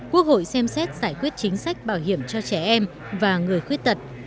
quốc hội xem xét giải quyết chính sách bảo hiểm cho trẻ em và người khuyết tật